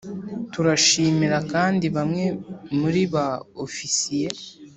turashimira kandi bamwe muri ba ofisiye